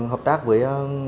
hợp tác với